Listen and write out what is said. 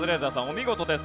お見事です。